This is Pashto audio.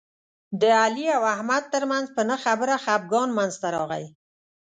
د علي او احمد ترمنځ په نه خبره خپګان منځ ته راغی.